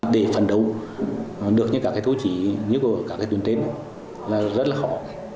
để phấn đấu được như các cái thú chí như của các cái tuyển tên là rất là khó